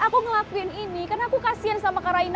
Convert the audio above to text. aku ngelakuin ini karena aku kasihan sama kak raina